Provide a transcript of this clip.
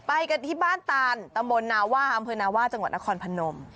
ไปกันที่บ้านตานตำบลนาว่าอำเภอนาว่าจังหวัดนครพนม